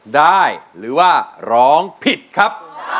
น้องไอร้องผิดครับ